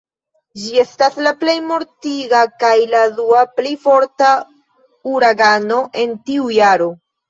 Ĝi estis la plej mortiga kaj la dua pli forta uragano en tiu jaro.